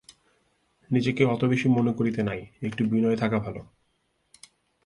নিজেকে অত বেশি মনে করিতে নাই–একটু বিনয় থাকা ভালো।